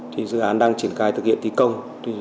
thì dự án đang triển khai thực hiện thi công